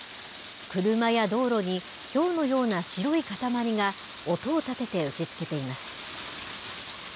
車や道路にひょうのような白い塊が音を立てて打ちつけています。